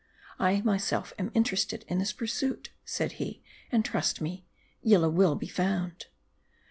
"I myself am interested in this pursuit," said he ; "and trust me, Yil lah will be found."